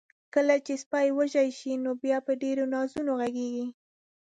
کله چې سپی وږي شي، نو بیا په ډیرو نازونو غږیږي.